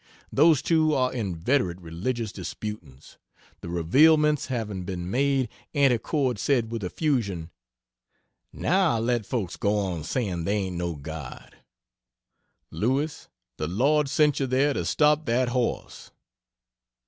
Those two are inveterate religious disputants. The revealments having been made Aunty Cord said with effusion "Now, let folks go on saying there ain't no God! Lewis, the Lord sent you there to stop that horse."